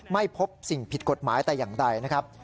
ไม่พบสิ่งผิดกฎหมายแต่อย่างใดนะครับ